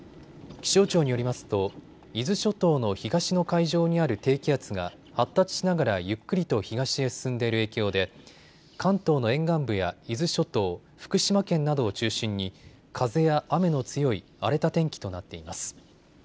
気象庁によりますと伊豆諸島の東の海上にある低気圧が発達しながらゆっくりと東へ進んでいる影響で関東の沿岸部や伊豆諸島、福島県などを中心に風や雨の強い荒れた天気となっています。